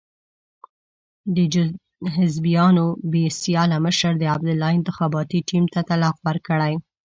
د حزبیانو بې سیاله مشر د عبدالله انتخاباتي ټیم ته طلاق ورکړی.